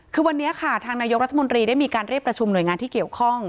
คือวันนี้ค่ะทางนายกรัฐมนตรีได้มีการเรียกประชุมหน่วยงานที่เกี่ยวข้อง